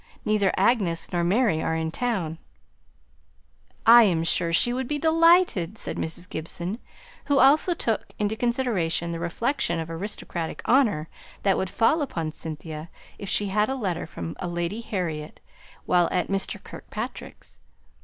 Neither Agnes nor Mary are in town " "I am sure she would be delighted," said Mrs. Gibson, who also took into consideration the reflection of aristocratic honour that would fall upon Cynthia if she had a letter from Lady Harriet while at Mr. Kirkpatrick's.